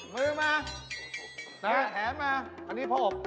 มือมาแขนมาอันนี้พบ